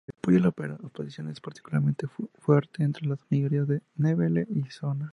El apoyo a la oposición es particularmente fuerte entre las mayorías ndebele y shona.